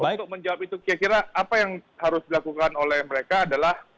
untuk menjawab itu kira kira apa yang harus dilakukan oleh mereka adalah